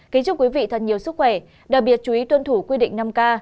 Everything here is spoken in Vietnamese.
kính chúc quý vị thật nhiều sức khỏe đặc biệt chú ý tuân thủ quy định năm k